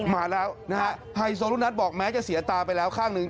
มาแล้วนะฮะไฮโซลูกนัทบอกแม้จะเสียตาไปแล้วข้างหนึ่ง